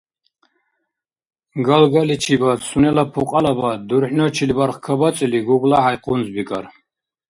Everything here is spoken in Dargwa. Галгаличибад сунела пукьалабад дурхӀначил барх кабацӀили ГуглахӀяй къунзбикӀар.